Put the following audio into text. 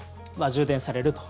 充電されると。